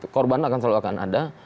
korban akan selalu akan ada